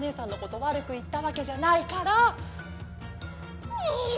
わるくいったわけじゃないから！にゅ